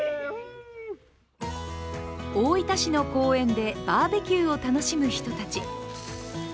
大分市の公園でバーベキューを楽しむ人たち。